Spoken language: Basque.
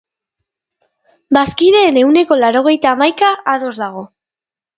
Bazkideen ehuneko laurogeita hamaika ados dago.